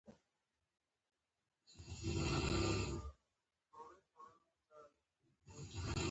د دويم رېنجر مخ بانټ او انجن لادرکه و.